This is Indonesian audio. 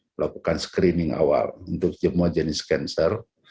melakukan screening awal untuk semua jenis cancer